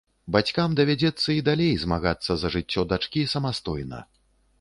Бацькам давядзецца і далей змагацца за жыццё дачкі самастойна.